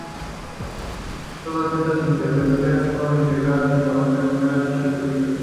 Todas estas interpretaciones fueron integradas a la banda sonora de dicha película.